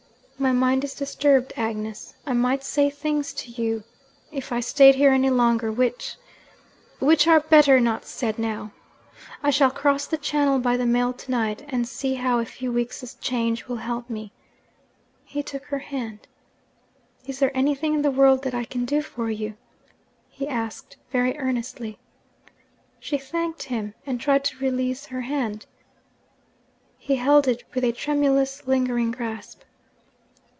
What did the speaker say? My mind is disturbed, Agnes; I might say things to you, if I stayed here any longer, which which are better not said now. I shall cross the Channel by the mail to night, and see how a few weeks' change will help me.' He took her hand. 'Is there anything in the world that I can do for you?' he asked very earnestly. She thanked him, and tried to release her hand. He held it with a tremulous lingering grasp.